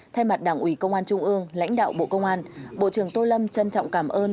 thay mặt đảng ủy công an trung ương lãnh đạo bộ công an bộ trưởng tô lâm trân trọng cảm ơn